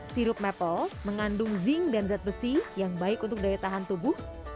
sirup maple mengandung zinc dan zat besi yang baik untuk daya tahan tubuh